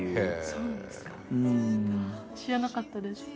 そうなんですか？